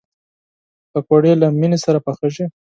پکورې له مینې سره پخېږي